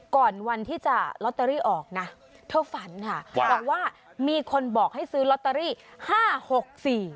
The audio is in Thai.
วันที่จะลอตเตอรี่ออกนะเธอฝันค่ะบอกว่ามีคนบอกให้ซื้อลอตเตอรี่ห้าหกสี่